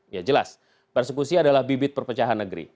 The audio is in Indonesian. ya jelas persekusi adalah bibit perpecahan negeri